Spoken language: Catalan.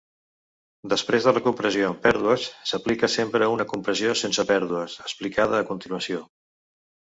Després de la compressió amb pèrdues s'aplica sempre una compressió sense pèrdues, explicada a continuació.